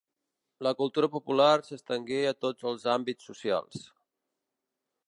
La cultura popular s'estengué a tots els àmbits socials.